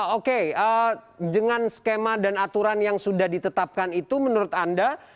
oke dengan skema dan aturan yang sudah ditetapkan itu menurut anda